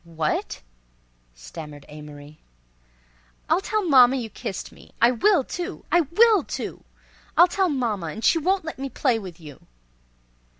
"What?" stammered Amory. "I'll tell mama you kissed me! I will too! I will too! I'll tell mama, and she won't let me play with you!"